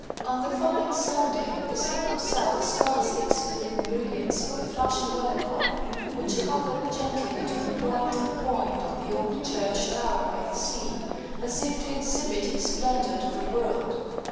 On the following Sunday, the sun himself scarcely exceeded in brilliancy the flashing Weathercock, which hovered gently between point and point on the old church tower by the sea, as if to exhibit his splendour to the world.